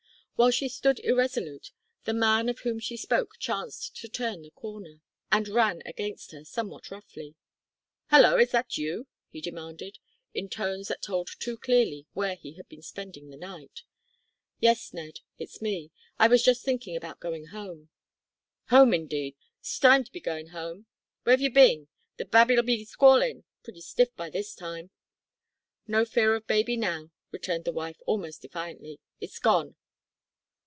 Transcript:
While she stood irresolute, the man of whom she spoke chanced to turn the corner, and ran against her, somewhat roughly. "Hallo! is that you?" he demanded, in tones that told too clearly where he had been spending the night. "Yes, Ned, it's me. I was just thinking about going home." "Home, indeed 'stime to b'goin' home. Where'v you bin? The babby 'll 'v bin squallin' pretty stiff by this time." "No fear of baby now," returned the wife almost defiantly; "it's gone."